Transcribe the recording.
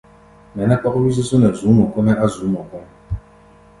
Mɛ nɛ́ kpɔ́k wí-zúzú nɛ zu̧ú̧ mɔ kɔ́-mɛ́ á̧ zu̧ú̧ mɔ kɔ́ʼm.